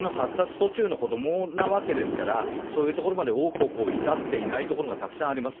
途中の子どもなわけですから、そういうところまで多く至っていないところがたくさんあります。